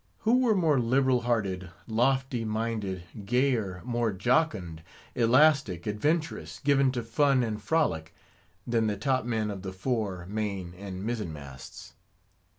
Who were more liberal hearted, lofty minded, gayer, more jocund, elastic, adventurous, given to fun and frolic, than the top men of the fore, main, and mizzen masts?